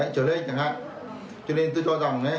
cho nên tôi cho rằng